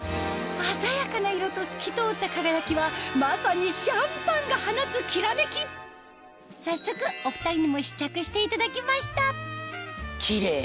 鮮やかな色と透き通った輝きはまさにシャンパンが放つきらめき早速お２人にも試着していただきましたキレイ。